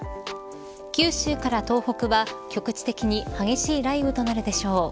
九州から東北は局地的に激しい雷雨となるでしょう。